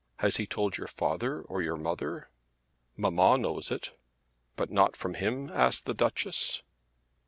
Has he told your father, or your mother?" "Mamma knows it." "But not from him?" asked the Duchess.